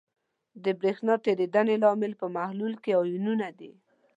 د برېښنا تیریدنې لامل په محلول کې آیونونه دي.